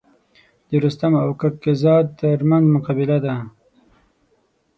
د رستم او کک کهزاد تر منځ مقابله ده.